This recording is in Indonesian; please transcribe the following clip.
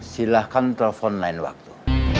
silahkan telepon lain waktu